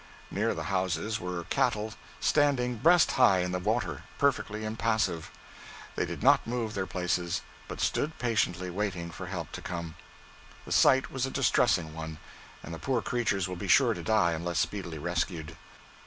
Near the houses were cattle standing breast high in the water, perfectly impassive. They did not move in their places, but stood patiently waiting for help to come. The sight was a distressing one, and the poor creatures will be sure to die unless speedily rescued.